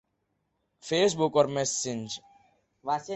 face بک اور messenger